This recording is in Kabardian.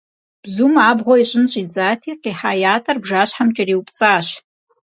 Bzum abğue yiş'ın ş'idzati, khiha yat'er bjjaşhem ç'eriupts'aş.